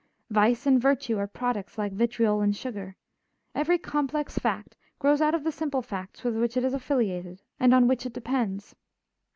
Vice and virtue are products like vitriol and sugar; every complex fact grows out of the simple facts with which it is affiliated and on which it depends.